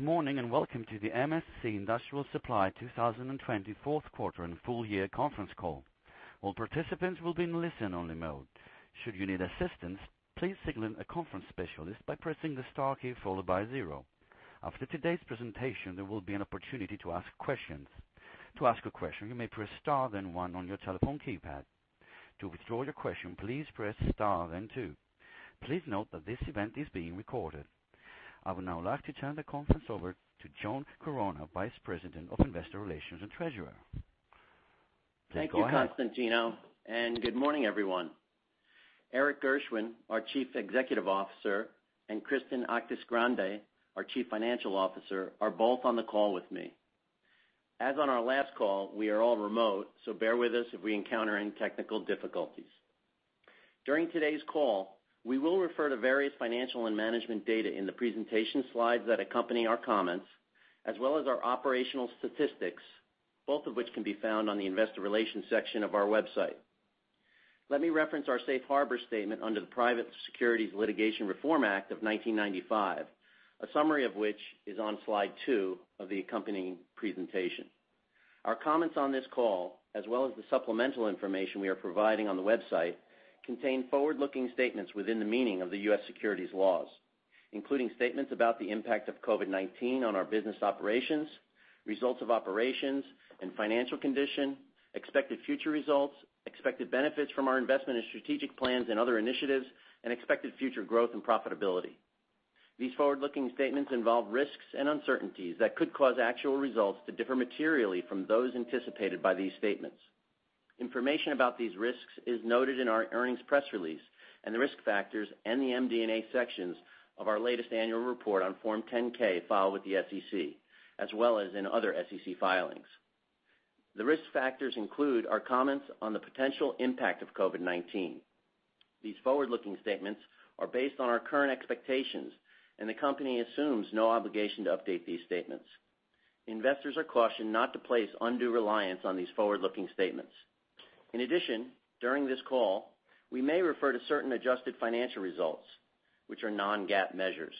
Good morning, and welcome to the MSC Industrial Supply 2020 Fourth Quarter and Full Year Conference Call. All participants will be in listen only mode. Should you need assistance, please signal a conference specialist by pressing star key followed by zero. After today's presentation, there will be an opportunity to ask questions. To ask a question, you may press star then one on your telephone keypad. To withdraw your question, please press star then two. Please note that this event is being recorded. I would now like to turn the conference over to John Chironna, Vice President of Investor Relations and Treasurer. Please go ahead. Thank you, Constantino. Good morning, everyone. Erik Gershwind, our Chief Executive Officer, and Kristen Actis-Grande, our Chief Financial Officer, are both on the call with me. As on our last call, we are all remote, so bear with us if we encounter any technical difficulties. During today's call, we will refer to various financial and management data in the presentation slides that accompany our comments, as well as our operational statistics, both of which can be found on the investor relations section of our website. Let me reference our safe harbor statement under the Private Securities Litigation Reform Act of 1995, a summary of which is on slide two of the accompanying presentation. Our comments on this call, as well as the supplemental information we are providing on the website, contain forward-looking statements within the meaning of the U.S. securities laws. Including statements about the impact of COVID-19 on our business operations, results of operations and financial condition, expected future results, expected benefits from our investment in strategic plans and other initiatives, and expected future growth and profitability. These forward-looking statements involve risks and uncertainties that could cause actual results to differ materially from those anticipated by these statements. Information about these risks is noted in our earnings press release, and the risk factors, and the MD&A sections of our latest annual report on Form 10-K filed with the SEC, as well as in other SEC filings. The risk factors include our comments on the potential impact of COVID-19. These forward-looking statements are based on our current expectations, and the company assumes no obligation to update these statements. Investors are cautioned not to place undue reliance on these forward-looking statements. In addition, during this call, we may refer to certain adjusted financial results, which are non-GAAP measures.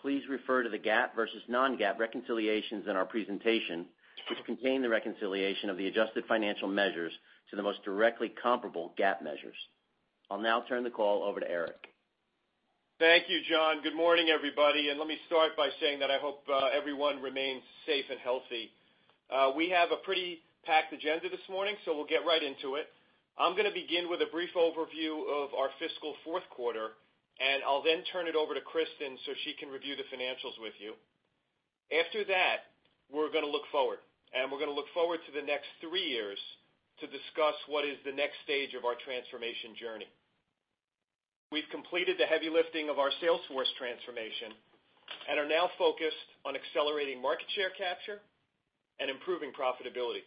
Please refer to the GAAP versus non-GAAP reconciliations in our presentation, which contain the reconciliation of the adjusted financial measures to the most directly comparable GAAP measures. I'll now turn the call over to Erik. Thank you, John. Good morning, everybody. Let me start by saying that I hope everyone remains safe and healthy. We have a pretty packed agenda this morning. We'll get right into it. I'm going to begin with a brief overview of our fiscal fourth quarter. I'll then turn it over to Kristen. She can review the financials with you. After that, we're going to look forward. We're going to look forward to the next three years to discuss what is the next stage of our transformation journey. We've completed the heavy lifting of our sales force transformation. Are now focused on accelerating market share capture, and improving profitability.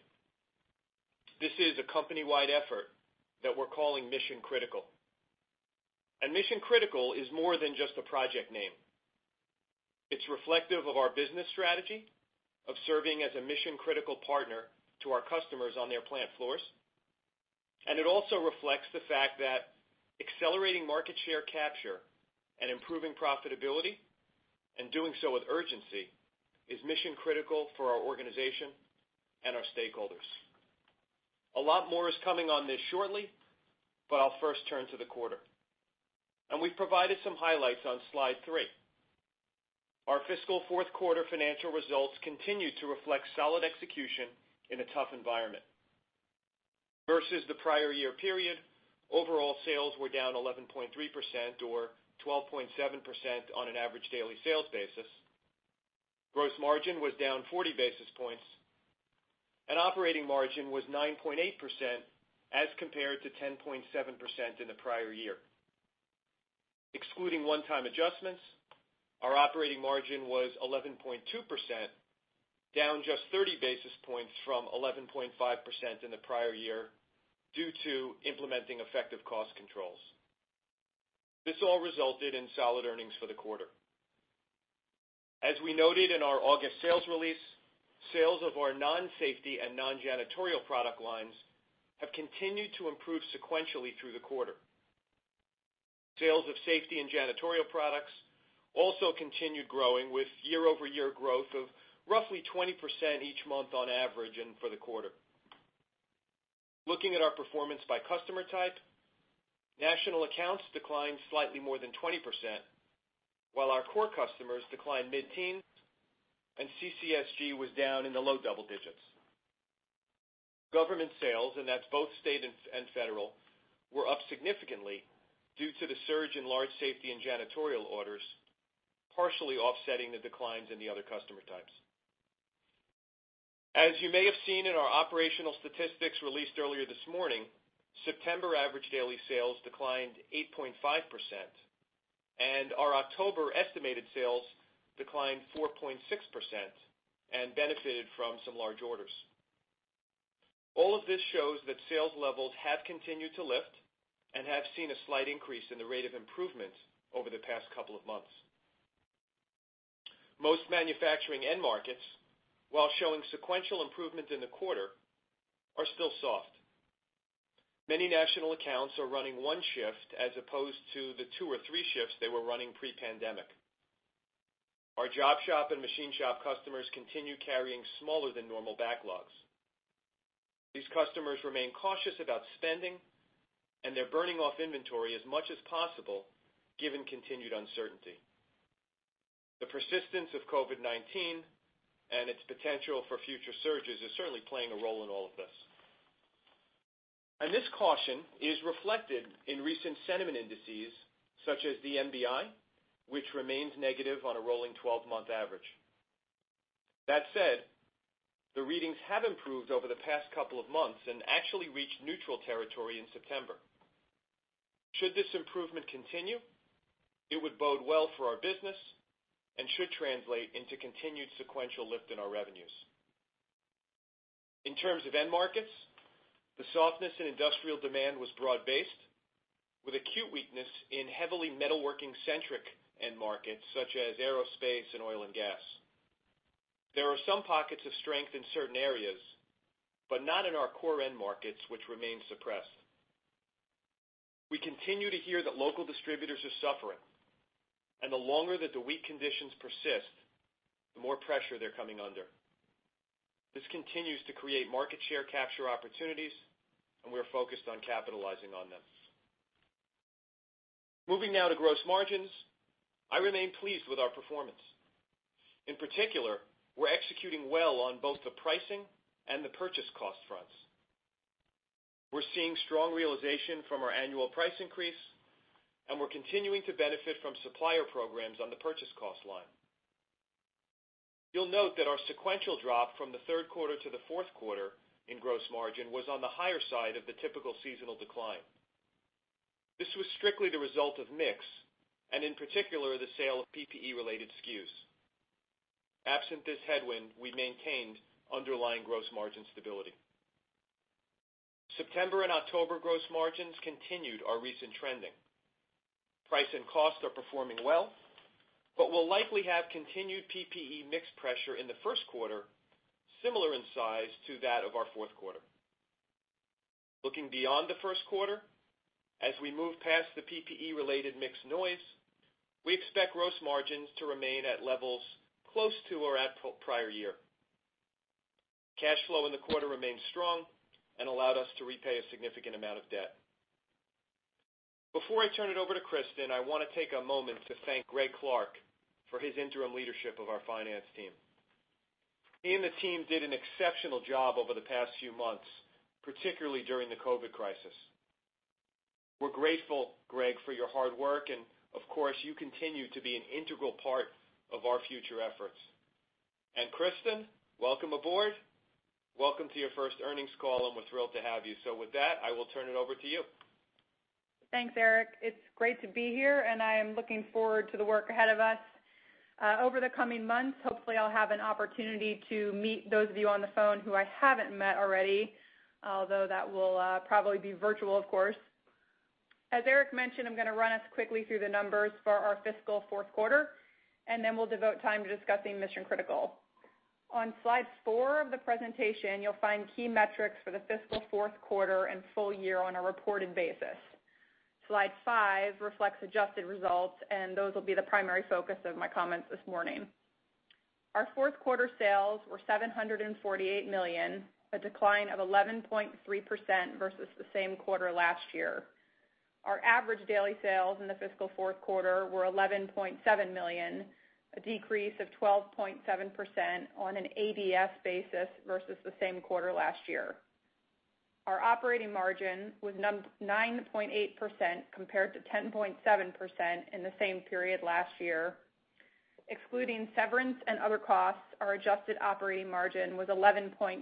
This is a company-wide effort that we're calling Mission Critical. Mission Critical is more than just a project name. It's reflective of our business strategy of serving as a mission-critical partner to our customers on their plant floors. It also reflects the fact that accelerating market share capture, and improving profitability, and doing so with urgency, is mission-critical for our organization and our stakeholders. A lot more is coming on this shortly, but I'll first turn to the quarter. We've provided some highlights on slide three. Our fiscal fourth quarter financial results continued to reflect solid execution in a tough environment. Versus the prior year period, overall sales were down 11.3% or 12.7% on an average daily sales basis. Gross margin was down 40 basis points, and operating margin was 9.8% as compared to 10.7% in the prior year. Excluding one-time adjustments, our operating margin was 11.2%, down just 30 basis points from 11.5% in the prior year due to implementing effective cost controls. This all resulted in solid earnings for the quarter. As we noted in our August sales release, sales of our non-safety and non-janitorial product lines have continued to improve sequentially through the quarter. Sales of safety and janitorial products also continued growing with year-over-year growth of roughly 20% each month on average, and for the quarter. Looking at our performance by customer type, national accounts declined slightly more than 20%, while our core customers declined mid-teens, and CCSG was down in the low double digits. Government sales, and that's both state and federal, were up significantly due to the surge in large safety and janitorial orders, partially offsetting the declines in the other customer types. As you may have seen in our operational statistics released earlier this morning, September average daily sales declined 8.5%, and our October estimated sales declined 4.6%, and benefited from some large orders. All of this shows that sales levels have continued to lift, and have seen a slight increase in the rate of improvement over the past couple of months. Most manufacturing end markets, while showing sequential improvement in the quarter, are still soft. Many national accounts are running one shift as opposed to the two or three shifts they were running pre-pandemic. Our job shop and machine shop customers continue carrying smaller than normal backlogs. These customers remain cautious about spending, and they're burning off inventory as much as possible, given continued uncertainty. The persistence of COVID-19, and its potential for future surges is certainly playing a role in all of this. This caution is reflected in recent sentiment indices such as the MBI, which remains negative on a rolling 12-month average. That said, the readings have improved over the past couple of months, and actually reached neutral territory in September. Should this improvement continue, it would bode well for our business, and should translate into continued sequential lift in our revenues. In terms of end markets, the softness in industrial demand was broad-based, with acute weakness in heavily metalworking-centric end markets such as aerospace, and oil, and gas. There are some pockets of strength in certain areas, but not in our core end markets, which remain suppressed. We continue to hear that local distributors are suffering, and the longer that the weak conditions persist, the more pressure they're coming under. This continues to create market share capture opportunities, and we're focused on capitalizing on them. Moving now to gross margins. I remain pleased with our performance. In particular, we're executing well on both the pricing and the purchase cost fronts. We're seeing strong realization from our annual price increase, and we're continuing to benefit from supplier programs on the purchase cost line. You'll note that our sequential drop from the third quarter to the fourth quarter in gross margin was on the higher side of the typical seasonal decline. This was strictly the result of mix, and in particular, the sale of PPE-related SKUs. Absent this headwind, we maintained underlying gross margin stability. September and October gross margins continued our recent trending. Price and cost are performing well, but we'll likely have continued PPE mix pressure in the first quarter, similar in size to that of our fourth quarter. Looking beyond the first quarter, as we move past the PPE-related mix noise, we expect gross margins to remain at levels close to or at prior year. Cash flow in the quarter remained strong, and allowed us to repay a significant amount of debt. Before I turn it over to Kristen, I want to take a moment to thank Greg Clark for his interim leadership of our finance team. He and the team did an exceptional job over the past few months, particularly during the COVID crisis. We're grateful, Greg, for your hard work, and of course, you continue to be an integral part of our future efforts. Kristen, welcome aboard. Welcome to your first earnings call, and we're thrilled to have you. With that, I will turn it over to you. Thanks, Erik. It's great to be here, and I am looking forward to the work ahead of us. Over the coming months, hopefully, I'll have an opportunity to meet those of you on the phone who I haven't met already, although that will probably be virtual, of course. As Erik mentioned, I'm going to run us quickly through the numbers for our fiscal fourth quarter, and then we'll devote time to discussing Mission Critical. On slide four of the presentation, you'll find key metrics for the fiscal fourth quarter and full year on a reported basis. Slide five reflects adjusted results, and those will be the primary focus of my comments this morning. Our fourth quarter sales were $748 million, a decline of 11.3% versus the same quarter last year. Our average daily sales in the fiscal fourth quarter were $11.7 million, a decrease of 12.7% on an ADS basis versus the same quarter last year. Our operating margin was 9.8%, compared to 10.7% in the same period last year. Excluding severance and other costs, our adjusted operating margin was 11.2%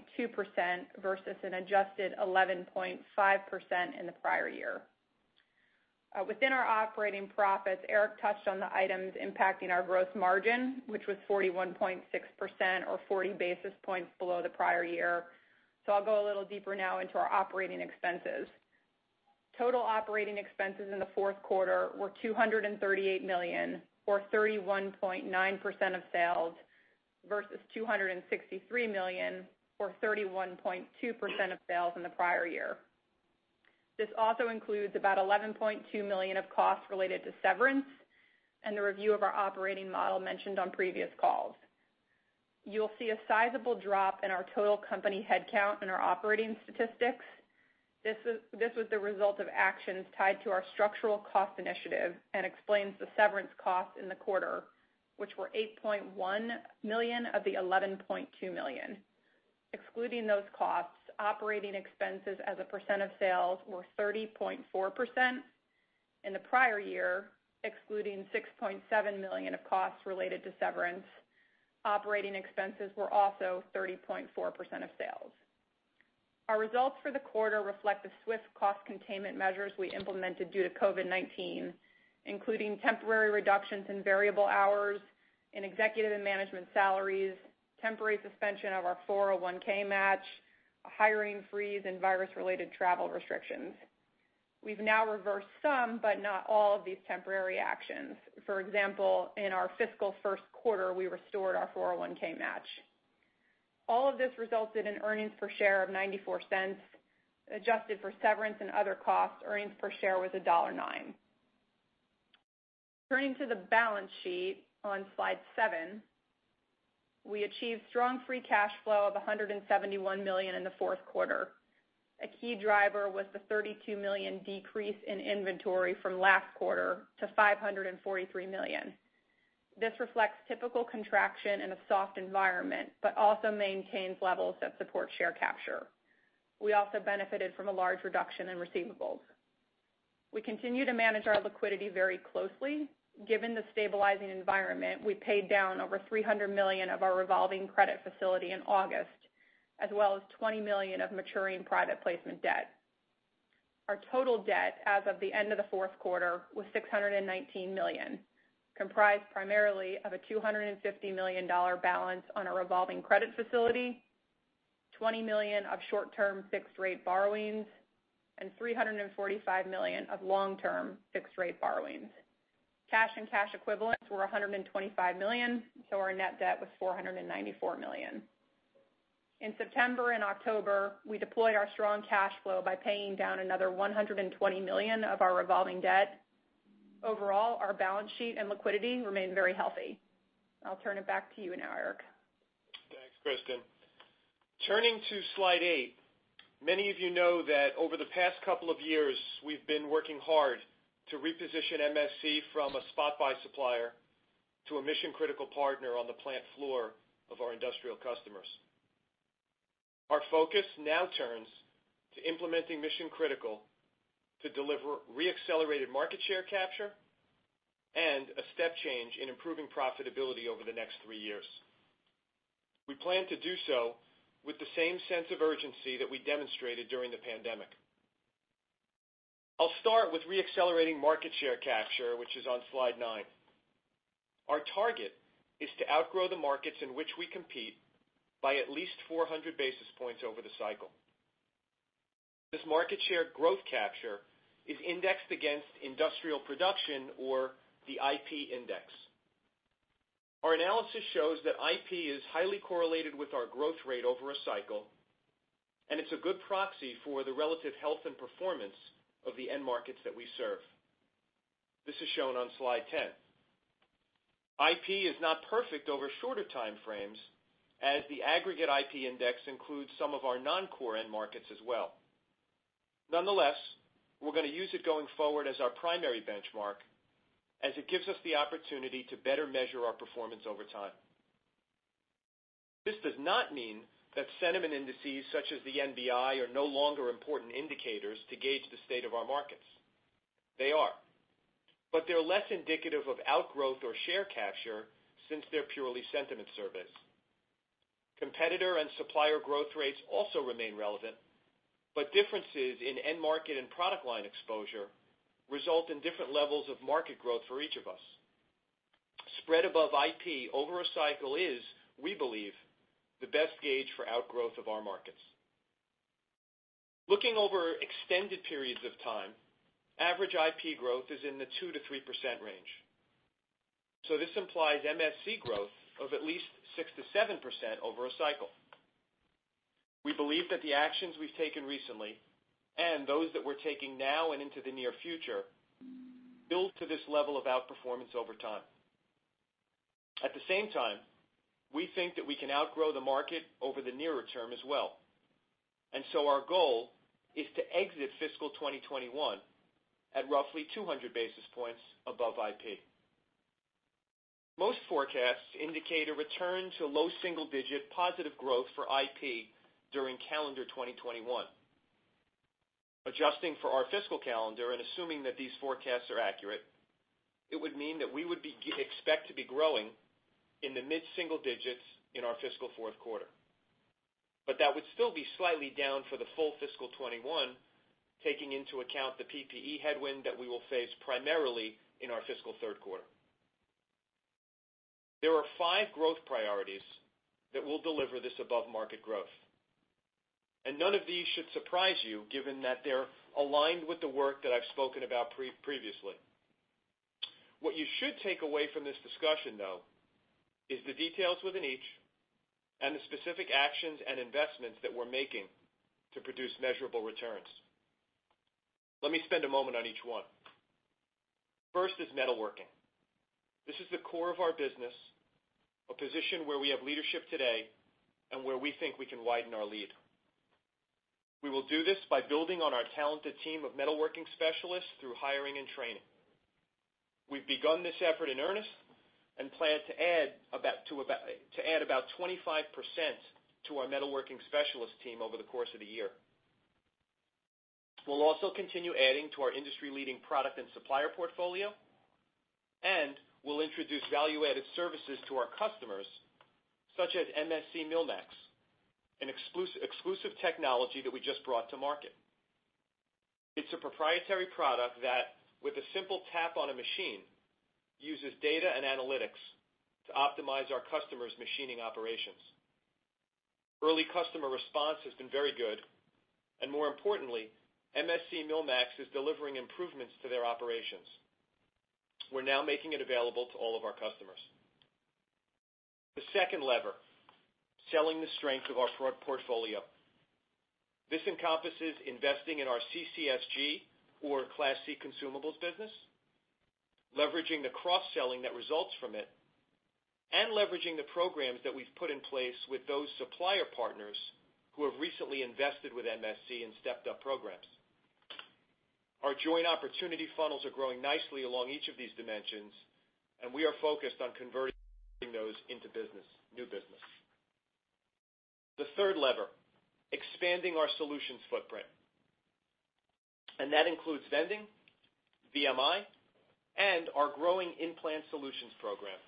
versus an adjusted 11.5% in the prior year. Within our operating profits, Erik touched on the items impacting our gross margin, which was 41.6% or 40 basis points below the prior year. I'll go a little deeper now into our operating expenses. Total operating expenses in the fourth quarter were $238 million, or 31.9% of sales, versus $263 million, or 31.2% of sales in the prior year. This also includes about $11.2 million of costs related to severance, and the review of our operating model mentioned on previous calls. You'll see a sizable drop in our total company headcount in our operating statistics. This was the result of actions tied to our structural cost initiative, and explains the severance costs in the quarter, which were $8.1 million of the $11.2 million. Excluding those costs, operating expenses as a percent of sales were 30.4%. In the prior year, excluding $6.7 million of costs related to severance, operating expenses were also 30.4% of sales. Our results for the quarter reflect the swift cost containment measures we implemented due to COVID-19, including temporary reductions in variable hours, in executive and management salaries, temporary suspension of our 401(k) match, a hiring freeze, and virus-related travel restrictions. We've now reversed some, but not all of these temporary actions. For example, in our fiscal first quarter, we restored our 401(k) match. All of this resulted in earnings per share of $0.94. Adjusted for severance and other costs, earnings per share was $1.09. Turning to the balance sheet on slide seven, we achieved strong free cash flow of $171 million in the fourth quarter. A key driver was the $32 million decrease in inventory from last quarter to $543 million. This reflects typical contraction in a soft environment, but also maintains levels that support share capture. We also benefited from a large reduction in receivables. We continue to manage our liquidity very closely. Given the stabilizing environment, we paid down over $300 million of our revolving credit facility in August, as well as $20 million of maturing private placement debt. Our total debt as of the end of the fourth quarter was $619 million, comprised primarily of a $250 million balance on a revolving credit facility, $20 million of short-term fixed rate borrowings, and $345 million of long-term fixed rate borrowings. Cash and cash equivalents were $125 million. Our net debt was $494 million. In September and October, we deployed our strong cash flow by paying down another $120 million of our revolving debt. Overall, our balance sheet and liquidity remain very healthy. I'll turn it back to you now, Erik. Thanks, Kristen. Turning to slide eight. Many of you know that over the past couple of years, we've been working hard to reposition MSC from a spot buy supplier to a mission-critical partner on the plant floor of our industrial customers. Our focus now turns to implementing Mission Critical to deliver re-accelerated market share capture, and a step change in improving profitability over the next three years. We plan to do so with the same sense of urgency that we demonstrated during the pandemic. I'll start with re-accelerating market share capture, which is on slide nine. Our target is to outgrow the markets in which we compete by at least 400 basis points over the cycle. This market share growth capture is indexed against industrial production or the IP Index. Our analysis shows that IP is highly correlated with our growth rate over a cycle, and it's a good proxy for the relative health and performance of the end markets that we serve. This is shown on slide 10. IP is not perfect over shorter time frames, as the aggregate IP Index includes some of our non-core end markets as well. Nonetheless, we're going to use it going forward as our primary benchmark, as it gives us the opportunity to better measure our performance over time. This does not mean that sentiment indices such as the MBI are no longer important indicators to gauge the state of our markets. They are. They're less indicative of outgrowth, or share capture since they're purely sentiment surveys. Competitor and supplier growth rates also remain relevant, but differences in end market and product line exposure result in different levels of market growth for each of us. Spread above IP over a cycle is, we believe, the best gauge for outgrowth of our markets. Looking over extended periods of time, average IP growth is in the 2%-3% range. This implies MSC growth of at least 6%-7% over a cycle. We believe that the actions we've taken recently, and those that we're taking now and into the near future build to this level of outperformance over time. At the same time, we think that we can outgrow the market over the nearer term as well. Our goal is to exit fiscal 2021 at roughly 200 basis points above IP. Most forecasts indicate a return to low single-digit positive growth for IP during calendar 2021. Adjusting for our fiscal calendar, and assuming that these forecasts are accurate, it would mean that we would expect to be growing in the mid-single digits in our fiscal fourth quarter. That would still be slightly down for the full fiscal 2021, taking into account the PPE headwind that we will face primarily in our fiscal third quarter. There are five growth priorities that will deliver this above-market growth, and none of these should surprise you, given that they're aligned with the work that I've spoken about previously. What you should take away from this discussion, though, is the details within each, and the specific actions and investments that we're making to produce measurable returns. Let me spend a moment on each one. First is metalworking. This is the core of our business, a position where we have leadership today, and where we think we can widen our lead. We will do this by building on our talented team of metalworking specialists through hiring and training. We've begun this effort in earnest, and plan to add about 25% to our metalworking specialist team over the course of the year. We'll also continue adding to our industry-leading product and supplier portfolio, and we'll introduce value-added services to our customers, such as MSC MillMax, an exclusive technology that we just brought to market. It's a proprietary product that, with a simple tap on a machine, uses data and analytics to optimize our customers' machining operations. Early customer response has been very good, and more importantly, MSC MillMax is delivering improvements to their operations. We're now making it available to all of our customers. The second lever, selling the strength of our portfolio. This encompasses investing in our CCSG, or Class C Consumables Business, leveraging the cross-selling that results from it, and leveraging the programs that we've put in place with those supplier partners who have recently invested with MSC and stepped up programs. Our joint opportunity funnels are growing nicely along each of these dimensions. We are focused on converting those into new business. The third lever, expanding our solutions footprint. That includes vending, VMI, and our growing In-Plant Solutions Program.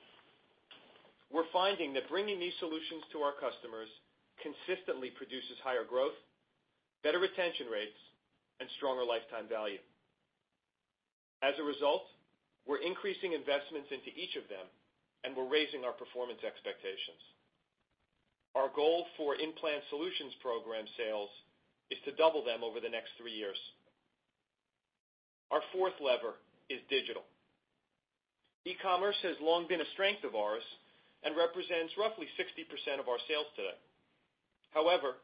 We're finding that bringing these solutions to our customers consistently produces higher growth, better retention rates, and stronger lifetime value. As a result, we're increasing investments into each of them. We're raising our performance expectations. Our goal for In-Plant Solutions Program sales is to double them over the next three years. Our fourth lever is digital. E-commerce has long been a strength of ours and represents roughly 60% of our sales today. However,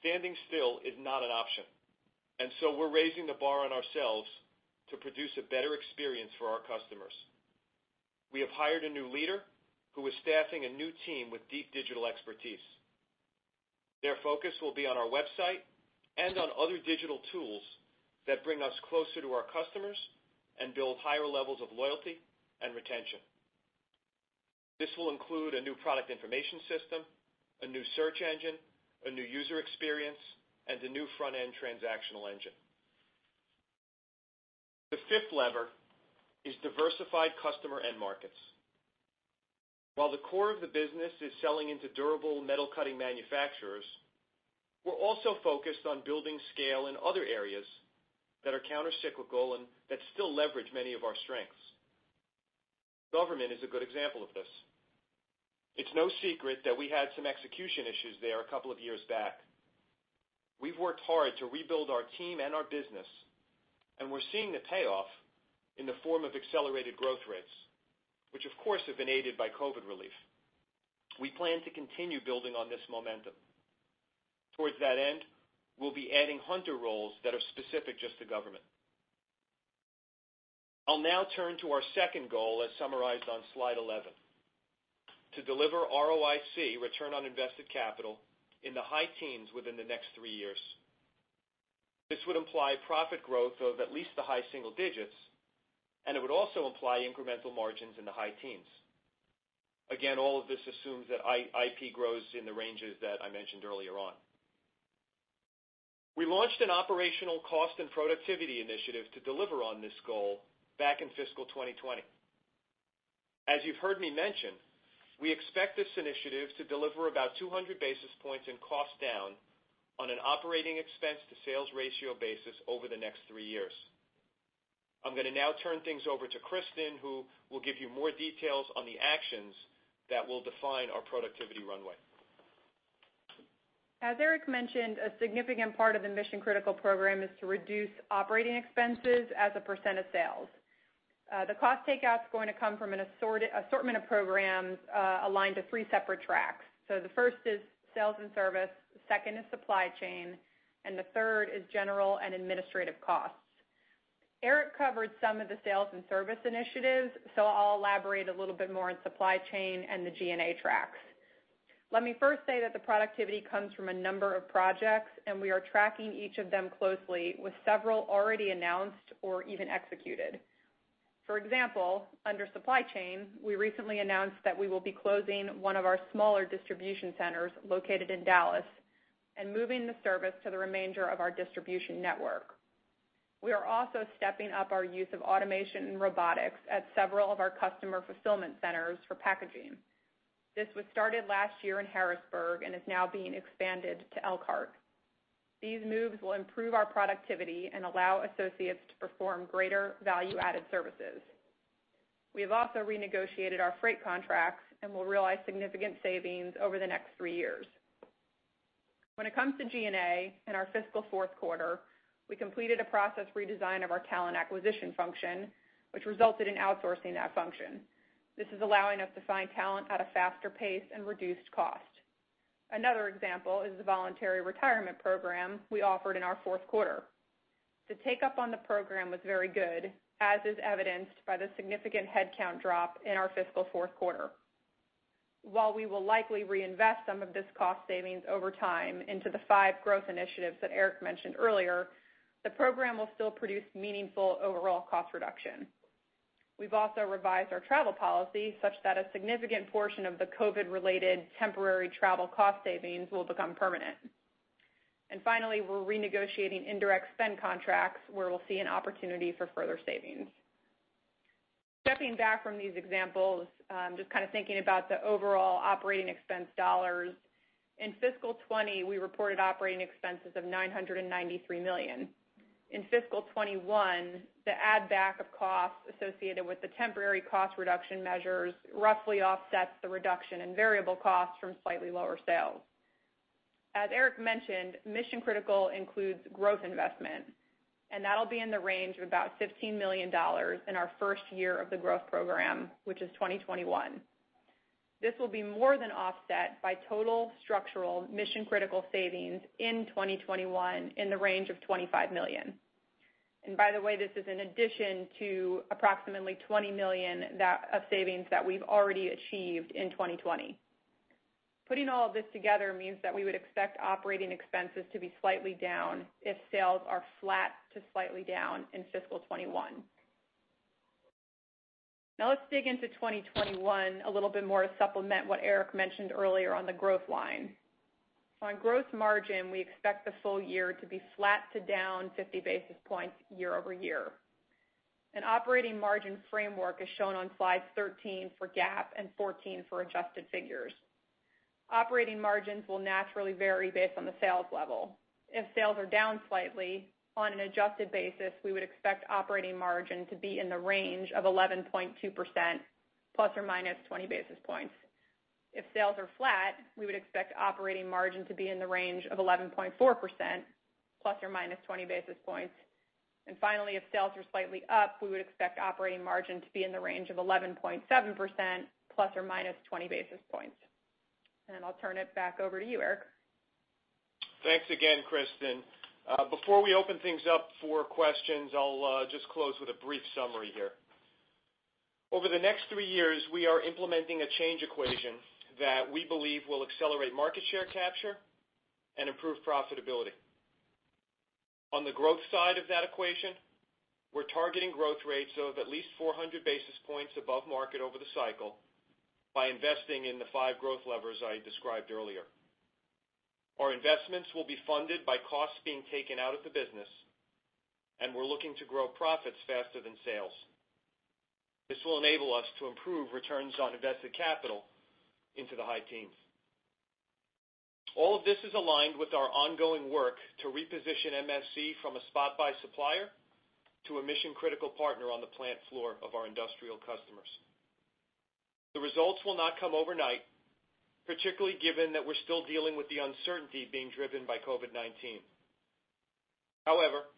standing still is not an option, we're raising the bar on ourselves to produce a better experience for our customers. We have hired a new leader who is staffing a new team with deep digital expertise. Their focus will be on our website and on other digital tools that bring us closer to our customers, and build higher levels of loyalty and retention. This will include a new product information system, a new search engine, a new user experience, and a new front-end transactional engine. The fifth lever is diversified customer end markets. While the core of the business is selling into durable metal cutting manufacturers, we're also focused on building scale in other areas that are counter-cyclical, and that still leverage many of our strengths. Government is a good example of this. It's no secret that we had some execution issues there a couple of years back. We've worked hard to rebuild our team and our business, and we're seeing the payoff in the form of accelerated growth rates, which, of course, have been aided by COVID relief. We plan to continue building on this momentum. Towards that end, we'll be adding hunter roles that are specific just to government. I'll now turn to our second goal, as summarized on slide 11, to deliver ROIC, return on invested capital, in the high teens within the next three years. This would imply profit growth of at least the high single digits, and it would also imply incremental margins in the high teens. Again, all of this assumes that IP grows in the ranges that I mentioned earlier on. We launched an operational cost and productivity initiative to deliver on this goal back in fiscal 2020. As you've heard me mention, we expect this initiative to deliver about 200 basis points in cost down on an operating expense to sales ratio basis over the next three years. I'm going to now turn things over to Kristen, who will give you more details on the actions that will define our productivity runway. As Erik mentioned, a significant part of the Mission Critical program is to reduce operating expenses as a percent of sales. The cost takeout is going to come from an assortment of programs aligned to three separate tracks. The first is sales and service, the second is supply chain, and the third is general and administrative costs. Erik covered some of the sales and service initiatives, so I'll elaborate a little bit more on supply chain and the G&A tracks. Let me first say that the productivity comes from a number of projects, and we are tracking each of them closely with several already announced, or even executed. For example, under supply chain, we recently announced that we will be closing one of our smaller distribution centers located in Dallas, and moving the service to the remainder of our distribution network. We are also stepping up our use of automation and robotics at several of our customer fulfillment centers for packaging. This was started last year in Harrisburg, and is now being expanded to Elkhart. These moves will improve our productivity, and allow associates to perform greater value-added services. We have also renegotiated our freight contracts, and will realize significant savings over the next three years. When it comes to G&A, in our fiscal fourth quarter, we completed a process redesign of our talent acquisition function, which resulted in outsourcing that function. This is allowing us to find talent at a faster pace, and reduced cost. Another example is the voluntary retirement program we offered in our fourth quarter. The take-up on the program was very good, as is evidenced by the significant headcount drop in our fiscal fourth quarter. While we will likely reinvest some of this cost savings over time into the five growth initiatives that Erik mentioned earlier, the program will still produce meaningful overall cost reduction. We've also revised our travel policy such that a significant portion of the COVID-related temporary travel cost savings will become permanent. Finally, we're renegotiating indirect spend contracts where we'll see an opportunity for further savings. Stepping back from these examples, just kind of thinking about the overall operating expense dollars, in fiscal 2020, we reported operating expenses of $993 million. In fiscal 2021, the add back of costs associated with the temporary cost reduction measures roughly offsets the reduction in variable costs from slightly lower sales. As Erik mentioned, Mission Critical includes growth investment, and that'll be in the range of about $15 million in our first year of the growth program, which is 2021. This will be more than offset by total structural Mission Critical savings in 2021 in the range of $25 million. By the way, this is in addition to approximately $20 million of savings that we've already achieved in 2020. Putting all of this together means that we would expect operating expenses to be slightly down if sales are flat to slightly down in fiscal 2021. Now let's dig into 2021 a little bit more to supplement what Erik mentioned earlier on the growth line. On gross margin, we expect the full year to be flat to down 50 basis points year-over-year. Operating margin framework is shown on slide 13 for GAAP, and 14 for adjusted figures. Operating margins will naturally vary based on the sales level. If sales are down slightly, on an adjusted basis, we would expect operating margin to be in the range of 11.2%, ±20 basis points. If sales are flat, we would expect operating margin to be in the range of 11.4%, ±20 basis points. Finally, if sales are slightly up, we would expect operating margin to be in the range of 11.7%, ±20 basis points. I'll turn it back over to you, Erik. Thanks again, Kristen. Before we open things up for questions, I'll just close with a brief summary here. Over the next three years, we are implementing a change equation that we believe will accelerate market share capture, and improve profitability. On the growth side of that equation, we're targeting growth rates of at least 400 basis points above market over the cycle by investing in the five growth levers I described earlier. Our investments will be funded by costs being taken out of the business, and we're looking to grow profits faster than sales. This will enable us to improve returns on invested capital into the high teens. All of this is aligned with our ongoing work to reposition MSC from a spot-buy supplier to a mission-critical partner on the plant floor of our industrial customers. The results will not come overnight, particularly given that we're still dealing with the uncertainty being driven by COVID-19. However,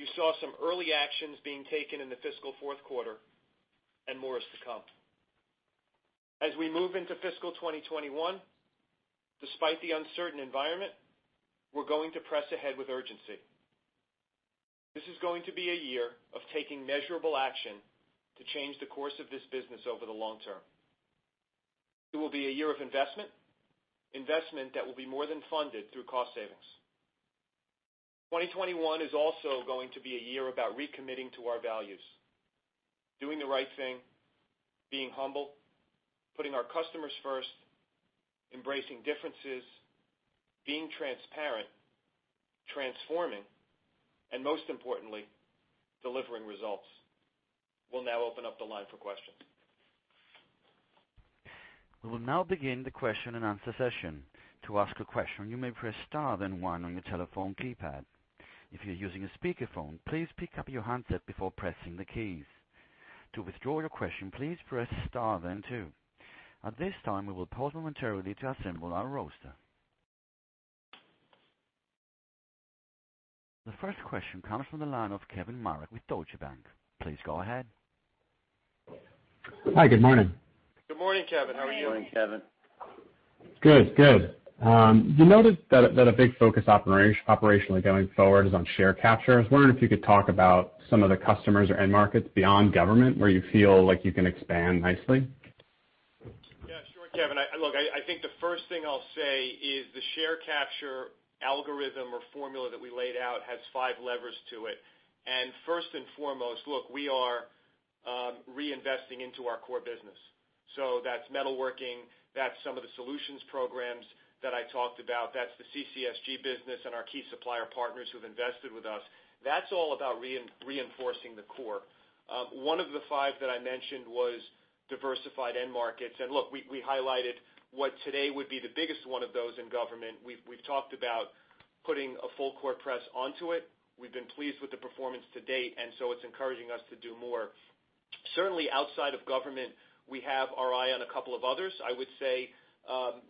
you saw some early actions being taken in the fiscal fourth quarter, and more is to come. As we move into fiscal 2021, despite the uncertain environment, we're going to press ahead with urgency. This is going to be a year of taking measurable action to change the course of this business over the long term. It will be a year of investment, investment that will be more than funded through cost savings. 2021 is also going to be a year about recommitting to our values, doing the right thing, being humble, putting our customers first, embracing differences, being transparent, transforming, and most importantly, delivering results. We'll now open up the line for questions. We'll now begin the question and answer session. To ask a question, you may press star then one on your telephone keypad. If your using a speaker phone, please pick up your handset before pressing the keys. To withdraw your question, please press star then two. At this time we will pause momentarily to assemble our roster. The first question comes from the line of Kevin Marek with Deutsche Bank. Please go ahead. Hi, good morning. Good morning, Kevin. How are you? Morning. How are you doing, Kevin? Good. Good. We noticed that a big focus operationally going forward is on share capture. I was wondering if you could talk about some of the customers or end markets beyond government where you feel like you can expand nicely? Yeah, sure, Kevin. Look, I think the first thing I'll say is the share capture algorithm or formula that we laid out has five levers to it. First and foremost, look, we are reinvesting into our core business. That's metalworking, that's some of the solutions programs that I talked about. That's the CCSG business and our key supplier partners who've invested with us. That's all about reinforcing the core. One of the five that I mentioned was diversified end markets. Look, we highlighted what today would be the biggest one of those in government. We've talked about putting a full court press onto it. We've been pleased with the performance to date, and so it's encouraging us to do more. Certainly outside of government, we have our eye on a couple of others. I would say,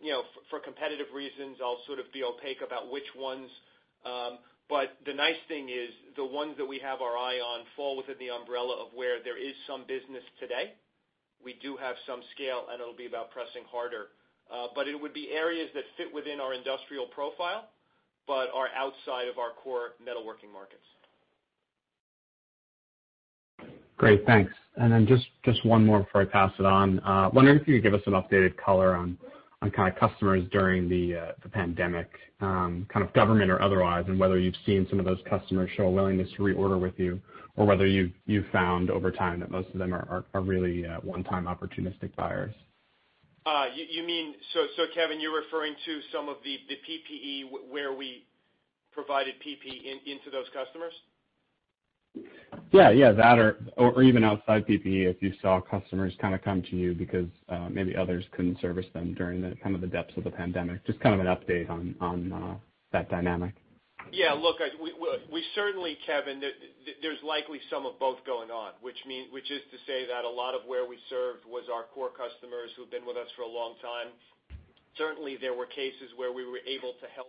you know, for competitive reasons, I'll sort of be opaque about which ones. The nice thing is the ones that we have our eye on fall within the umbrella of where there is some business today. We do have some scale, and it'll be about pressing harder. It would be areas that fit within our industrial profile, but are outside of our core metalworking markets. Great. Thanks. Just one more before I pass it on. Wondering if you could give us some updated color on kind of customers during the pandemic, kind of government or otherwise, and whether you've seen some of those customers show a willingness to reorder with you, or whether you've found over time that most of them are really one-time opportunistic buyers. Kevin, you're referring to some of the PPE where we provided PPE into those customers? Yeah. Yeah. That or even outside PPE, if you saw customers kind of come to you because maybe others couldn't service them during the depths of the pandemic. Just kind of an update on that dynamic? Yeah. Look, we certainly, Kevin, there's likely some of both going on, which is to say that a lot of where we served was our core customers who've been with us for a long time. Certainly, there were cases where we were able to help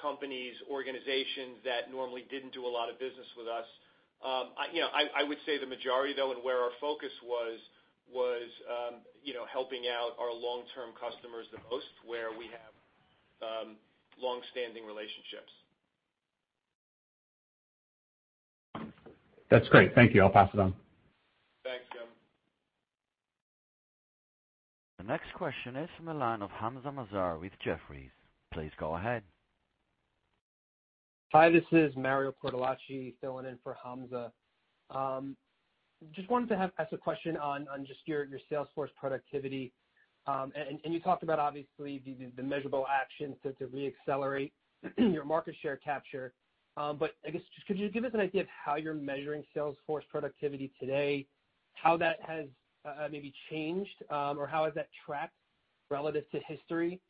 companies, organizations that normally didn't do a lot of business with us. I would say the majority though, and where our focus was helping out our long-term customers the most, where we have longstanding relationships. That's great. Thank you. I'll pass it on. Thanks, Kevin. The next question is from the line of Hamzah Mazari with Jefferies. Please go ahead. Hi, this is Mario Cortellacci filling in for Hamzah. Just wanted to ask a question on just your sales force productivity. You talked about obviously the measurable actions to reaccelerate your market share capture. I guess, could you give us an idea of how you're measuring sales force productivity today? How that has maybe changed, or how has that tracked relative to history,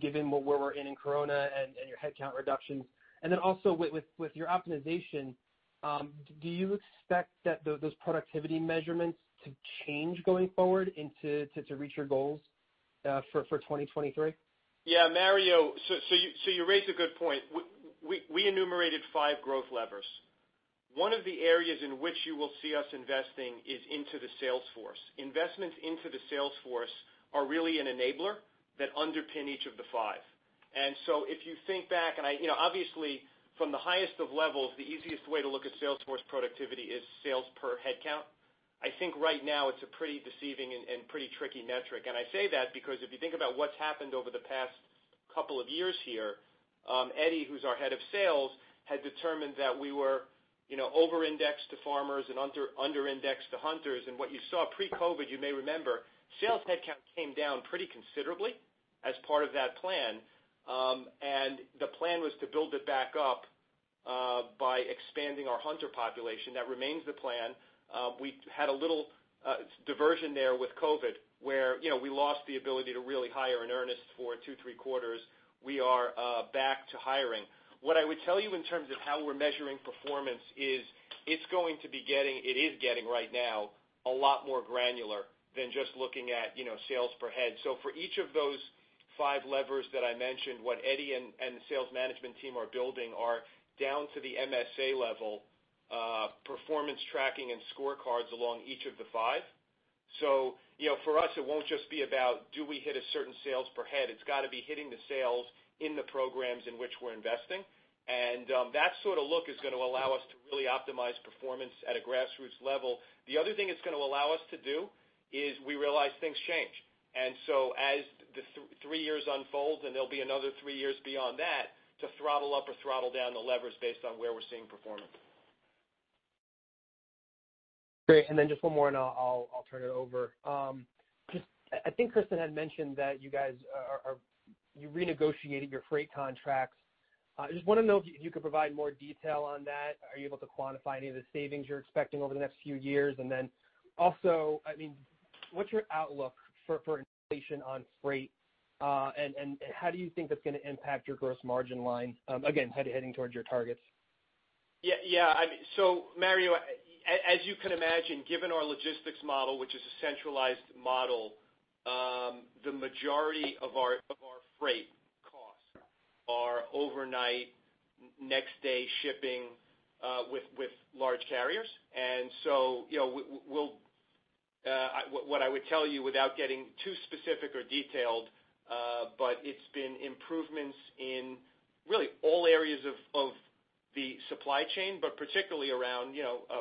given where we're in COVID-19 and your headcount reductions? Also with your optimization, do you expect that those productivity measurements to change going forward, and to reach your goals for 2023? Yeah, Mario. You raise a good point. We enumerated five growth levers. One of the areas in which you will see us investing is into the sales force. Investments into the sales force are really an enabler that underpin each of the five. If you think back, and obviously from the highest of levels, the easiest way to look at sales force productivity is sales per headcount. I think right now it's a pretty deceiving, and pretty tricky metric. I say that because if you think about what's happened over the past couple of years here, Eddie, who's our head of sales, had determined that we were over-indexed to farmers and under-indexed to hunters. What you saw pre-COVID, you may remember, sales headcount came down pretty considerably as part of that plan. The plan was to build it back up by expanding our hunter population. That remains the plan. We had a little diversion there with COVID, where we lost the ability to really hire in earnest for two, three quarters. We are back to hiring. What I would tell you in terms of how we're measuring performance is, it is getting right now, a lot more granular than just looking at sales per head. For each of those five levers that I mentioned, what Eddie and the sales management team are building are down to the MSA level, performance tracking and scorecards along each of the five. For us, it won't just be about do we hit a certain sales per head. It's got to be hitting the sales in the programs in which we're investing. That sort of look is going to allow us to really optimize performance at a grassroots level. The other thing it's going to allow us to do is we realize things change. As the three years unfold, and there'll be another three years beyond that, to throttle up or throttle down the levers based on where we're seeing performance. Great. Then just one more, and I'll turn it over. I think Kristen had mentioned that you guys renegotiated your freight contracts. I just want to know if you could provide more detail on that? Are you able to quantify any of the savings you're expecting over the next few years? Also, what's your outlook for inflation on freight? How do you think that's going to impact your gross margin line, again, heading towards your targets? Yeah. Mario, as you can imagine, given our logistics model, which is a centralized model, the majority of our freight costs are overnight, next-day shipping, with large carriers. What I would tell you without getting too specific or detailed, but it's been improvements in really all areas of the supply chain, but particularly around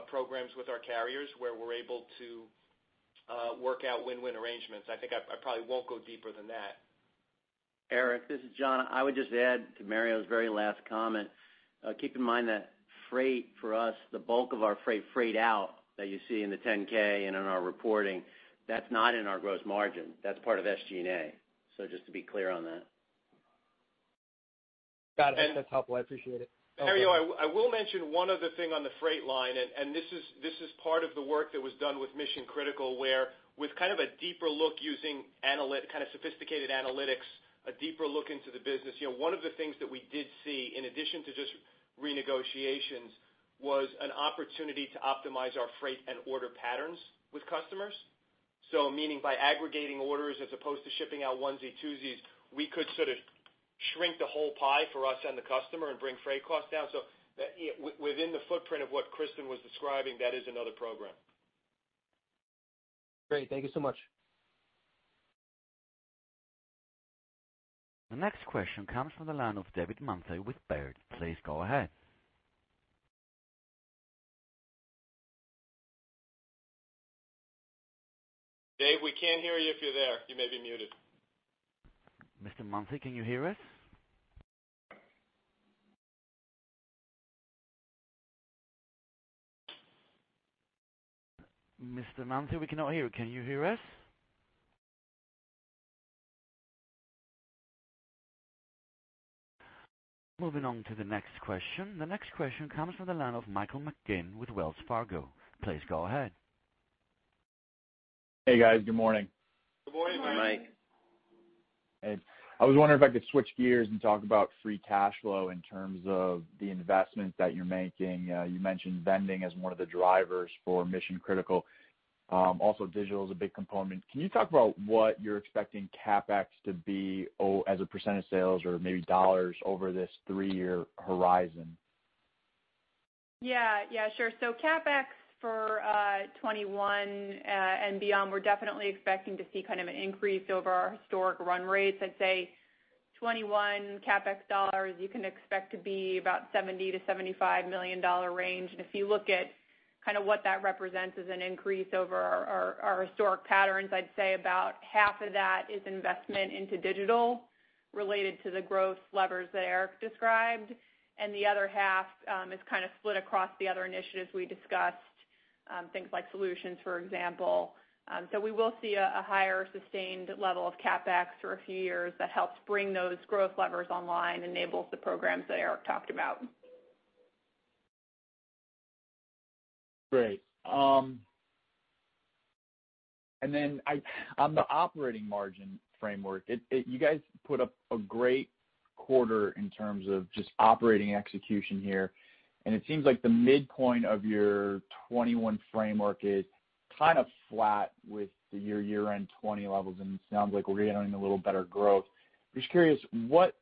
programs with our carriers where we're able to work out win-win arrangements. I think I probably won't go deeper than that. Erik, this is John. I would just add to Mario's very last comment. Keep in mind that freight for us, the bulk of our freight out that you see in the 10-K, and in our reporting, that's not in our gross margin. That's part of SG&A. Just to be clear on that. Got it. That's helpful. I appreciate it. Mario, I will mention one other thing on the freight line. This is part of the work that was done with Mission Critical, where with kind of a deeper look using kind of sophisticated analytics, a deeper look into the business, one of the things that we did see in addition to just renegotiations was an opportunity to optimize our freight, and order patterns with customers. Meaning by aggregating orders as opposed to shipping out onesie, twosies, we could sort of shrink the whole pie for us and the customer and bring freight costs down. Within the footprint of what Kristen was describing, that is another program. Great. Thank you so much. The next question comes from the line of David Manthey with Baird. Please go ahead. Dave, we can't hear you if you're there. You may be muted. Mr. Manthey, can you hear us? Mr. Manthey, we cannot hear you. Can you hear us? Moving on to the next question. The next question comes from the line of Michael McGinn with Wells Fargo. Please go ahead. Hey, guys. Good morning. Good morning, Mike. Hey. I was wondering if I could switch gears, and talk about free cash flow in terms of the investments that you're making. You mentioned vending as one of the drivers for Mission Critical. Digital is a big component. Can you talk about what you're expecting CapEx to be as a percent sales, or maybe dollars over this three-year horizon? Yeah. Sure. CapEx for 2021 and beyond, we're definitely expecting to see an increase over our historic run rates. I'd say 2021 CapEx dollars, you can expect to be about $70 million-$75 million range. If you look at what that represents as an increase over our historic patterns, I'd say about half of that is investment into digital related to the growth levers that Erik described, and the other half is kind of split across the other initiatives we discussed, things like solutions, for example. We will see a higher sustained level of CapEx for a few years that helps bring those growth levers online, enables the programs that Erik talked about. Great. On the operating margin framework, you guys put up a great quarter in terms of just operating execution here, it seems like the midpoint of your 2021 framework is kind of flat with your year-end 2020 levels, it sounds like we're going to own a little better growth. What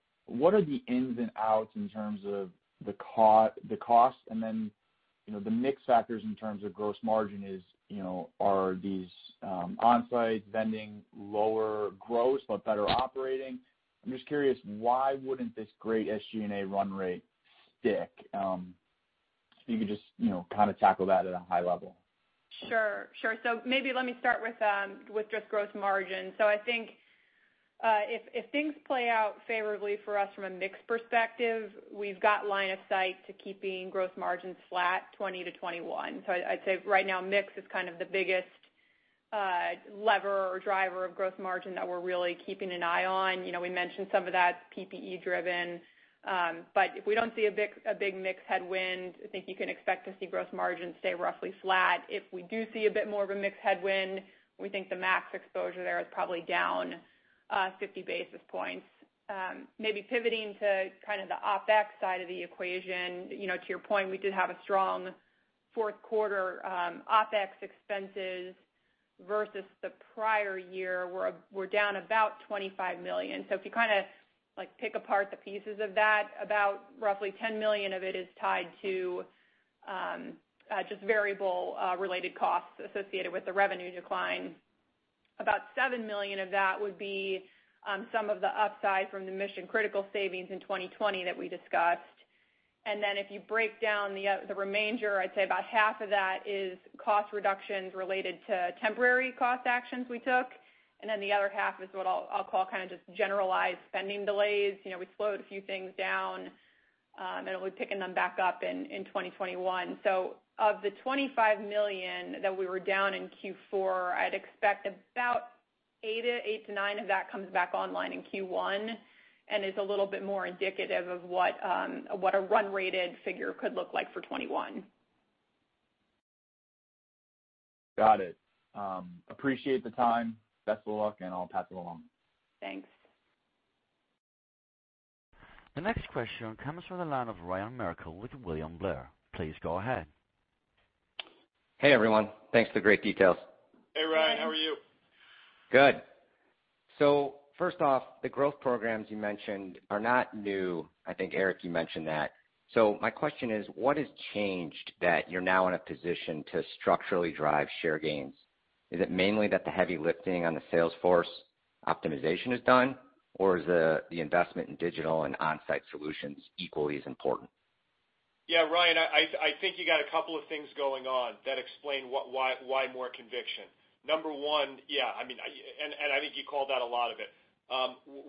are the ins and outs in terms of the cost, the mix factors in terms of gross margin, are these onsite vending lower gross, but better operating? I'm just curious, why wouldn't this great SG&A run rate stick? If you could just tackle that at a high level. Sure. Sure, maybe let me start with just gross margin. I think, if things play out favorably for us from a mix perspective, we've got line of sight to keeping gross margins flat 2020-2021. I'd say right now, mix is kind of the biggest lever, or driver of gross margin that we're really keeping an eye on. We mentioned some of that, PPE driven. If we don't see a big mix headwind, I think you can expect to see gross margins stay roughly flat. If we do see a bit more of a mix headwind, we think the max exposure there is probably down 50 basis points. Maybe pivoting to the OpEx side of the equation. To your point, we did have a strong fourth quarter OpEx expenses versus the prior year. We're down about $25 million. If you kinda, if you pick apart the pieces of that, about roughly $10 million of it is tied to just variable related costs associated with the revenue decline. About $7 million of that would be some of the upside from the Mission Critical savings in 2020 that we discussed. If you break down the remainder, I'd say about half of that is cost reductions related to temporary cost actions we took, and then the other half is what I'll call just generalized spending delays. We slowed a few things down, and then we'll be picking them back up in 2021. Of the $25 million that we were down in Q4, I'd expect about $8 million-$9 million of that comes back online in Q1, and is a little bit more indicative of what a run-rated figure could look like for 2021. Got it. Appreciate the time. Best of luck, and I'll pass it along. Thanks. The next question comes from the line of Ryan Merkel with William Blair. Please go ahead. Hey, everyone. Thanks for the great details. Hey, Ryan. How are you? Good. First off, the growth programs you mentioned are not new. I think, Erik, you mentioned that. My question is, what has changed that you're now in a position to structurally drive share gains? Is it mainly that the heavy lifting on the sales force optimization is done, or is the investment in digital and onsite solutions equally as important? Ryan, I think you got a couple of things going on that explain why more conviction. Number one. I think you called out a lot of it.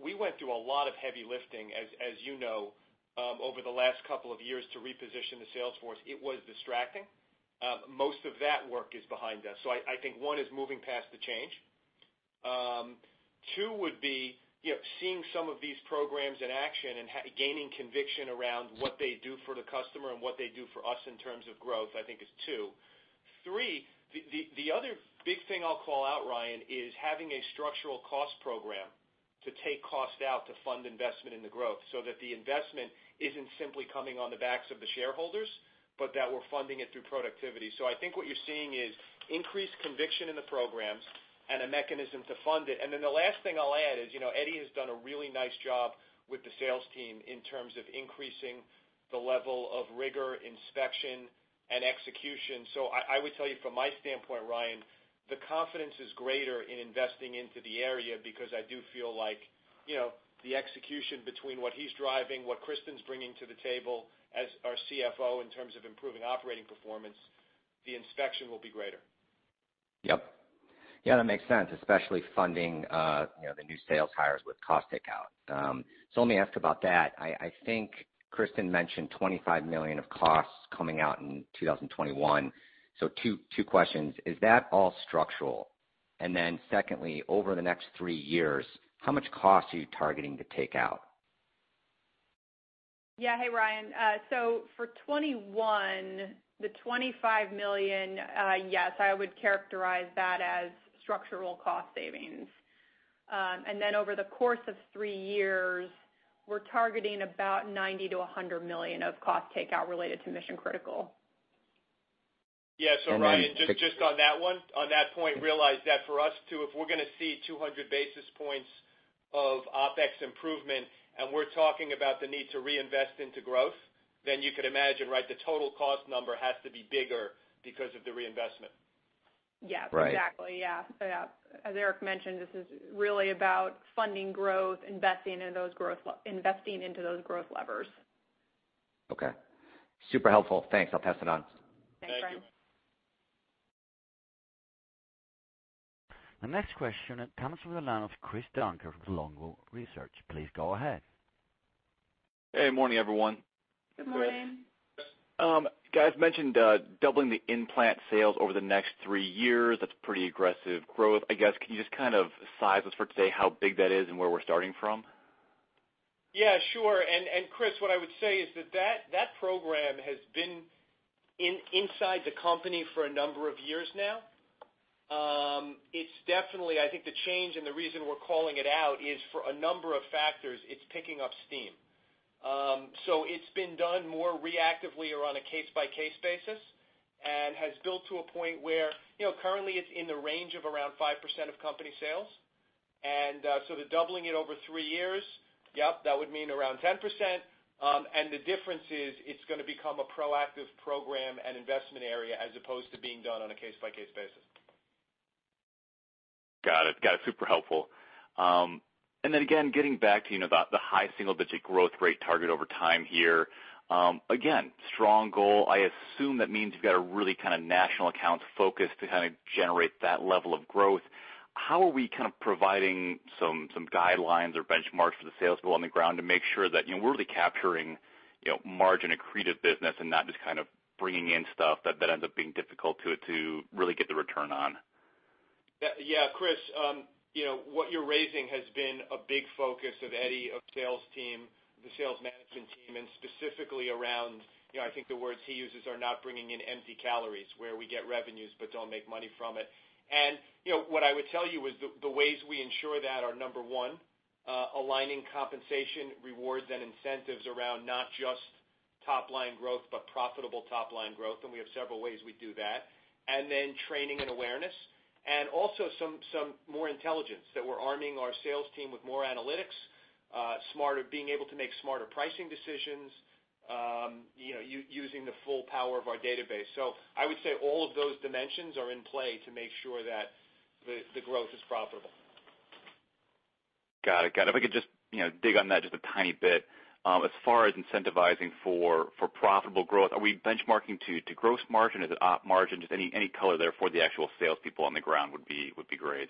We went through a lot of heavy lifting, as you know, over the last couple of years to reposition the sales force. It was distracting. Most of that work is behind us. I think one is moving past the change. Two would be seeing some of these programs in action, and gaining conviction around what they do for the customer, and what they do for us in terms of growth, I think is two. Three, the other big thing I'll call out, Ryan, is having a structural cost program to take cost out to fund investment in the growth so that the investment isn't simply coming on the backs of the shareholders, but that we're funding it through productivity. I think what you're seeing is increased conviction in the programs, and a mechanism to fund it. The last thing I'll add is, Eddie has done a really nice job with the sales team in terms of increasing the level of rigor, inspection, and execution. I would tell you from my standpoint, Ryan, the confidence is greater in investing into the area because I do feel like the execution between what he's driving, what Kristen's bringing to the table as our CFO in terms of improving operating performance, the inspection will be greater. Yep. Yeah, that makes sense, especially funding the new sales hires with cost takeout. Let me ask about that. I think Kristen mentioned $25 million of costs coming out in 2021. Two questions. Is that all structural? Secondly, over the next three years, how much cost are you targeting to take out? Yeah. Hey, Ryan. For 2021, the $25 million, yes, I would characterize that as structural cost savings. Over the course of three years, we're targeting about $90 million-$100 million of cost takeout related to Mission Critical. Yeah. Ryan, just on that one, on that point, realize that for us too, if we're going to see 200 basis points of OpEx improvement, we're talking about the need to reinvest into growth, you could imagine, right, the total cost number has to be bigger because of the reinvestment. Yes. Right. Exactly. Yeah. As Erik mentioned, this is really about funding growth, investing into those growth levers. Okay. Super helpful. Thanks. I'll pass it on. Thanks, Ryan. Thank you. The next question comes from the line of Chris Dankert with Longbow Research. Please go ahead. Hey, morning, everyone. Good morning. Chris. You guys mentioned doubling the in plant sales over the next three years. That's pretty aggressive growth. I guess, can you just kind of size us for today how big that is and where we're starting from? Yeah, sure. Chris, what I would say is that program has been inside the company for a number of years now. It's definitely, I think the change, and the reason we're calling it out is for a number of factors, it's picking up steam. It's been done more reactively, or on a case-by-case basis, and has built to a point where currently it's in the range of around 5% of company sales. The doubling it over three years, yep, that would mean around 10%. The difference is it's going to become a proactive program, and investment area as opposed to being done on a case-by-case basis. Got it. Super helpful. Again, getting back to the high single-digit growth rate target over time here. Again, strong goal. I assume that means you've got a really kind of national accounts focus to kind of generate that level of growth. How are we kind of providing some guidelines or benchmarks for the salespeople on the ground to make sure that we're really capturing margin accretive business, and not just kind of bringing in stuff that ends up being difficult to really get the return on? Yeah, Chris, what you're raising has been a big focus of Eddie, of sales team, the sales management team, and specifically around, I think the words he uses are not bringing in empty calories, where we get revenues, but don't make money from it. What I would tell you is the ways we ensure that are number one, aligning compensation, rewards, and incentives around not just top-line growth, but profitable top-line growth, and we have several ways we do that, training and awareness, and also some more intelligence we're arming our sales team with more analytics, smarter, being able to make smarter pricing decisions, using the full power of our database. I would say all of those dimensions are in play to make sure that the growth is profitable. Got it. If I could just dig on that just a tiny bit. As far as incentivizing for profitable growth, are we benchmarking to gross margin? Is it Op margin? Just any color there for the actual salespeople on the ground would be great.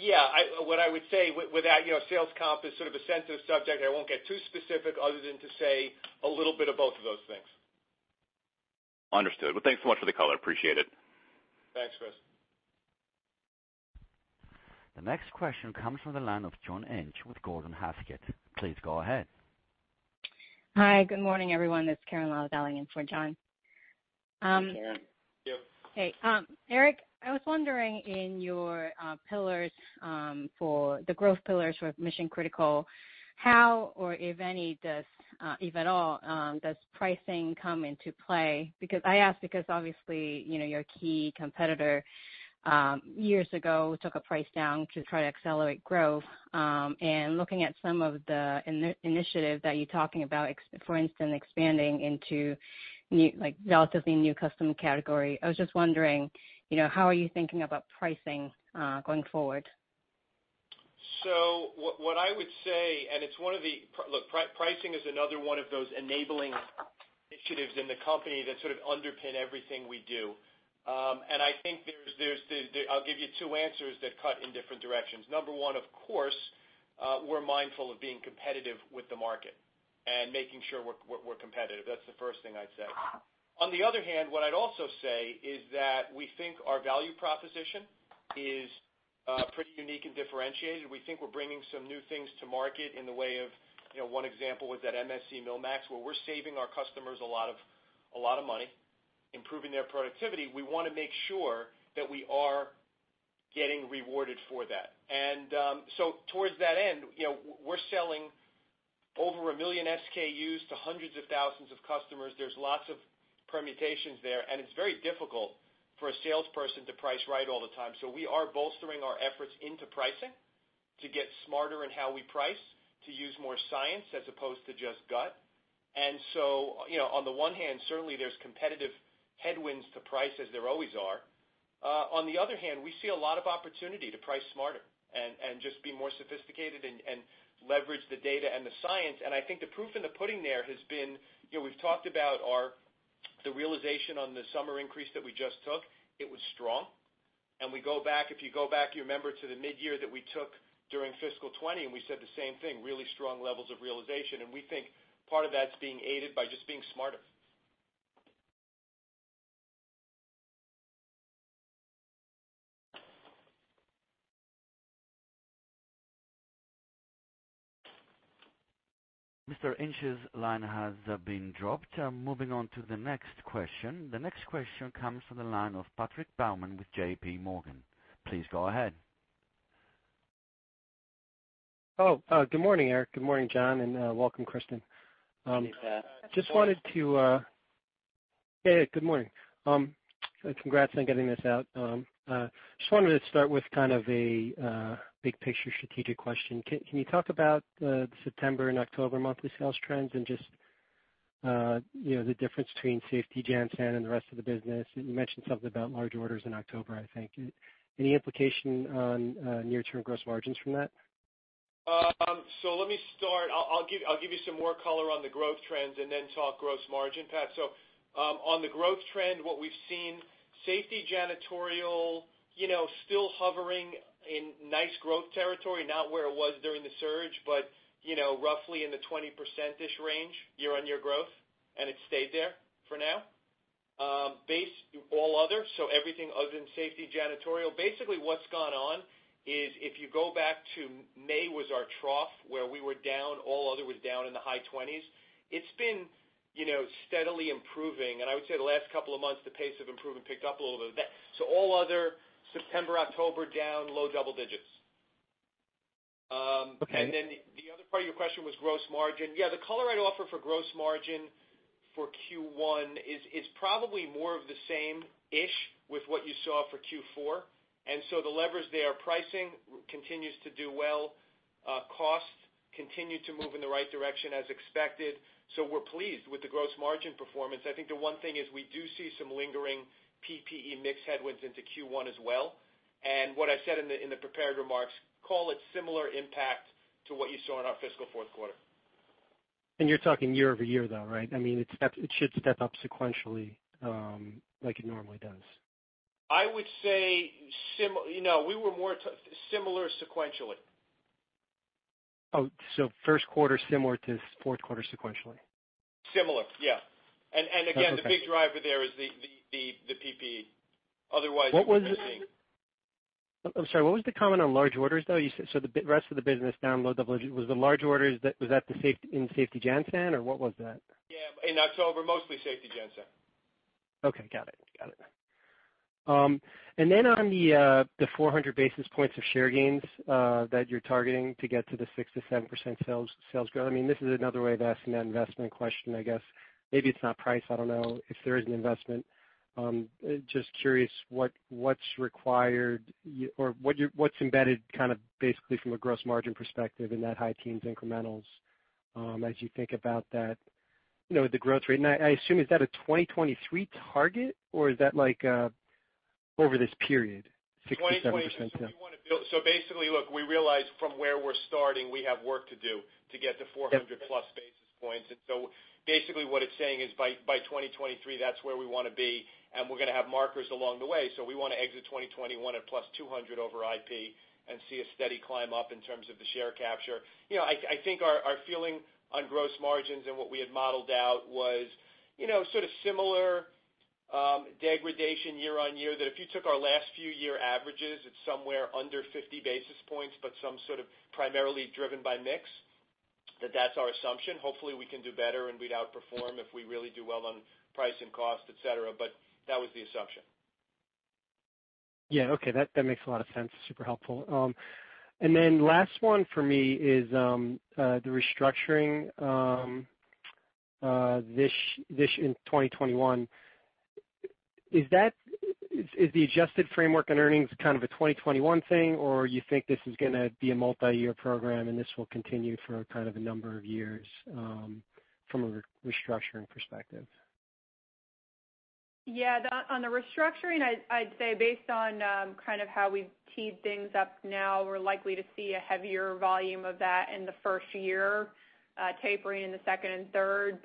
Yeah. What I would say, sales comp is sort of a sensitive subject. I won't get too specific other than to say a little bit of both of those things. Understood. Well, thanks so much for the color. Appreciate it. Thanks, Chris. The next question comes from the line of John Inch with Gordon Haskett. Please go ahead. Hi. Good morning, everyone. It's Karen Lau dialing in for John. Hi, Karen. Yep. Hey, Erik, I was wondering in your pillars, the growth pillars for Mission Critical, how, or if any does, if at all, does pricing come into play? I ask because obviously, your key competitor, years ago, took a price down to try to accelerate growth. Looking at some of the initiatives that you're talking about, for instance, expanding into relatively new custom category, I was just wondering how are you thinking about pricing going forward? What I would say, look, and its one of the, look pricing is another one of those enabling initiatives in the company that sort of underpin everything we do. I'll give you two answers that cut in different directions. Number one, of course, we're mindful of being competitive with the market, and making sure we're competitive. That's the first thing I'd say. On the other hand, what I'd also say is that we think our value proposition is pretty unique and differentiated. We think we're bringing some new things to market in the way of one example with that MSC MillMax, where we're saving our customers a lot of money, improving their productivity. We want to make sure that we are getting rewarded for that. Towards that end, we're selling over a million SKUs to hundreds of thousands of customers. There's lots of permutations there, and it's very difficult for a salesperson to price right all the time. We are bolstering our efforts into pricing to get smarter in how we price, to use more science as opposed to just gut. On the one hand, certainly there's competitive headwinds to price, as there always are. On the other hand, we see a lot of opportunity to price smarter, and just be more sophisticated, and leverage the data and the science. I think the proof in the pudding there has been, we've talked about the realization on the summer increase that we just took. It was strong. We go back, If you go back, you remember to the mid-year that we took during fiscal 2020, and we said the same thing, really strong levels of realization. We think part of that's being aided by just being smarter. Mr. Inch's line has been dropped. Moving on to the next question. The next question comes from the line of Patrick Baumann with JPMorgan. Please go ahead. Oh, good morning, Erik. Good morning, John, and welcome, Kristen. Hey, Pat. I just wanted to, hey, good morning. Congrats on getting this out. Just wanted to start with kind of a big-picture strategic question. Can you talk about the September and October monthly sales trends, and just the difference between safety, Jan/San, and the rest of the business? You mentioned something about large orders in October, I think. Any implication on near-term gross margins from that? Let me start. I'll give you some more color on the growth trends, and then talk gross margin, Pat. On the growth trend, what we've seen, safety, janitorial, still hovering in nice growth territory, not where it was during the surge, but roughly in the 20%-ish range year-on-year growth, and it's stayed there for now. All other, everything other than safety, janitorial, basically what's gone on is if you go back to May was our trough where we were down, all other was down in the high 20%s. It's been steadily improving, and I would say the last couple of months, the pace of improvement picked up a little bit. All other, September, October, down low double digits. Okay. The other part of your question was gross margin. The color I'd offer for gross margin for Q1 is probably more of the same-ish with what you saw for Q4. The levers there, pricing continues to do well. Costs continue to move in the right direction as expected. We're pleased with the gross margin performance. I think the one thing is we do see some lingering PPE mix headwinds into Q1 as well. What I said in the prepared remarks, call it similar impact to what you saw in our fiscal fourth quarter. You're talking year-over-year, though, right? I mean, it should step up sequentially, like it normally does. I would say similar sequentially. Oh, first quarter similar to fourth quarter sequentially? Similar, yeah. Okay. Again, the big driver there is the PPE. I'm sorry, what was the comment on large orders, though? You said the rest of the business down low double. Was the large orders in safety Jan/San, or what was that? Yeah. In October, mostly safety Jan/San. Okay, got it. On the 400 basis points of share gains that you're targeting to get to the 6%-7% sales growth, I mean, this is another way of asking that investment question, I guess. Maybe it's not price. I don't know if there is an investment. Just curious what's required, or what's embedded kind of basically from a gross margin perspective in that high teens incrementals as you think about that, the growth rate. I assume, is that a 2023 target, or that over this period, 6%-7%? Basically, look, we realize from where we're starting, we have work to do to get to 400+ basis points. Basically what it's saying is by 2023, that's where we want to be, and we're going to have markers along the way. We want to exit 2021 at +200 over IP, and see a steady climb up in terms of the share capture. I think our feeling on gross margins, and what we had modeled out was sort of similar degradation year on year. If you took our last few year averages, it's somewhere under 50 basis points, but some sort of primarily driven by mix. That's our assumption. Hopefully, we can do better, and we'd outperform if we really do well on price and cost, et cetera. That was the assumption. Yeah. Okay. That makes a lot of sense. Super helpful. Last one for me is the restructuring this in 2021. Is the adjusted framework on earnings kind of a 2021 thing, or you think this is gonna be a multi-year program, and this will continue for kind of a number of years from a restructuring perspective? Yeah. On the restructuring, I'd say based on kind of how we've teed things up now, we're likely to see a heavier volume of that in the first year, tapering in the second and third.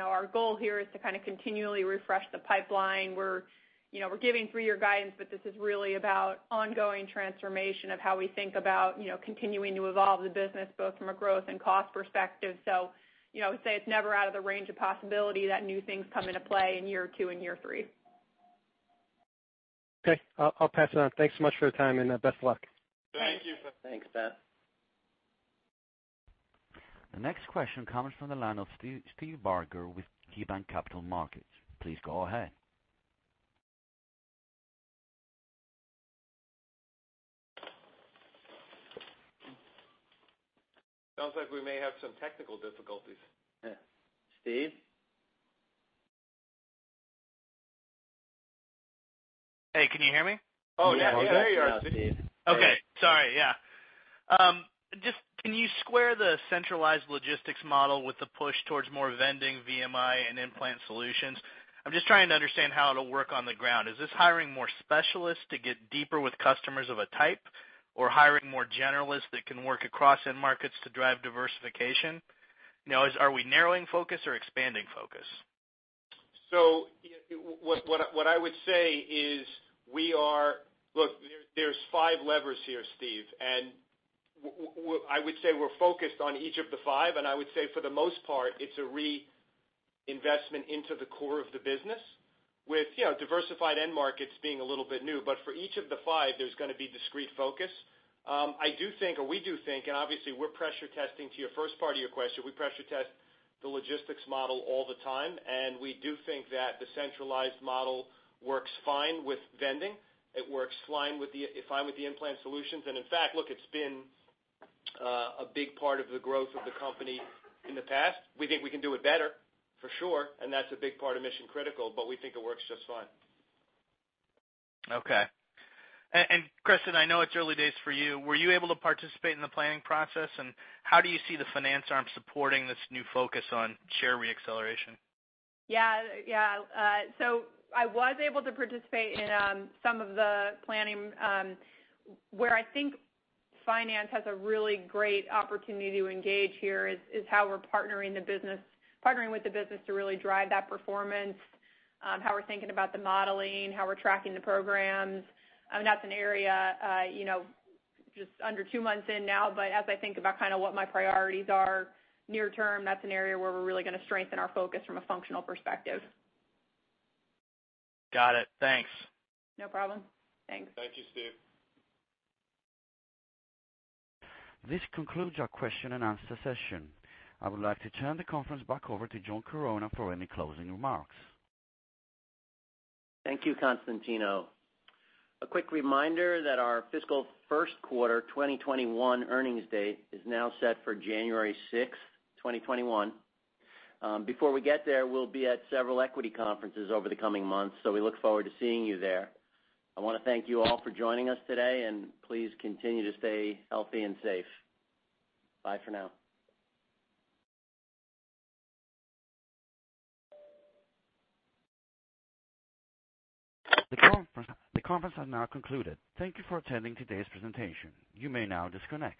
Our goal here is to kind of continually refresh the pipeline. We're giving three-year guidance, but this is really about ongoing transformation of how we think about continuing to evolve the business, both from a growth and cost perspective. I would say it's never out of the range of possibility that new things come into play in year two and year three. Okay. I'll pass it on. Thanks so much for the time and best of luck. Thanks. Thank you. Thanks, Pat. The next question comes from the line of Steve Barger with KeyBanc Capital Markets. Please go ahead. Sounds like we may have some technical difficulties. Steve? Hey, can you hear me? Oh, yeah. There you are, Steve. Yeah, Steve. Okay. Sorry, yeah. Can you square the centralized logistics model with the push towards more vending VMI and implant solutions? I'm just trying to understand how it'll work on the ground. Is this hiring more specialists to get deeper with customers of a type, or hiring more generalists that can work across end markets to drive diversification? Are we narrowing focus, or expanding focus? What I would say is, we are, look, there's five levers here, Steve, and I would say we're focused on each of the five, and I would say for the most part, it's a reinvestment into the core of the business, with diversified end markets being a little bit new, but for each of the five, there's going to be discrete focus. I do think, or we do think, and obviously we're pressure testing to your first part of your question, we pressure test the logistics model all the time, and we do think that the centralized model works fine with vending. It works fine with the implant solutions. In fact, look, it's been a big part of the growth of the company in the past. We think we can do it better, for sure, and that's a big part of Mission-Critical, but we think it works just fine. Okay. Kristen, I know it's early days for you. Were you able to participate in the planning process? How do you see the finance arm supporting this new focus on share re-acceleration? Yeah. I was able to participate in some of the planning. Where I think finance has a really great opportunity to engage here is how we're partnering with the business to really drive that performance, how we're thinking about the modeling, how we're tracking the programs. That's an area, just under two months in now, but as I think about what my priorities are near term, that's an area where we're really going to strengthen our focus from a functional perspective. Got it. Thanks. No problem. Thanks. Thank you, Steve. This concludes our question and answer session. I would like to turn the conference back over to John Chironna for any closing remarks. Thank you, Constantino. A quick reminder that our fiscal first quarter 2021 earnings date is now set for January 6th, 2021. Before we get there, we'll be at several equity conferences over the coming months, so we look forward to seeing you there. I want to thank you all for joining us today, and please continue to stay healthy and safe. Bye for now. The conference has now concluded. Thank you for attending today's presentation. You may now disconnect.